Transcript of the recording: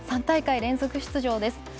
３大会連続出場です。